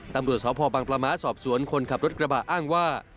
ตำรวจสพบังปลาม้าสอบสวนคนขับรถกระบะอ้างว่า